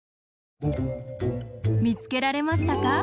みつけられましたか？